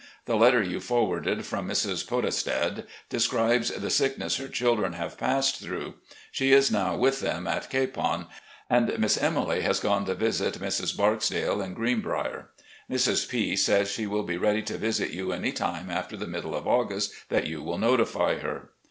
The letter you forwarded from Mrs. Podestad describes the sickness her children have passed through. She is now with them at Capon, and Miss Emily has gone to visit Mrs. Barksdale in Greenbrier. Mrs. P says she will be ready to visit you any time after the middle of August that you will notify her.